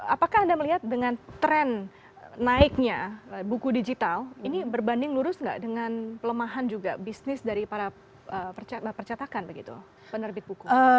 apakah anda melihat dengan tren naiknya buku digital ini berbanding lurus nggak dengan pelemahan juga bisnis dari para percetakan begitu penerbit buku